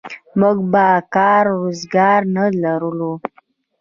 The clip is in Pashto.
موږ به کار روزګار نه لرو نو.